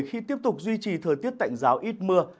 khi tiếp tục duy trì thời tiết tạnh giáo ít mưa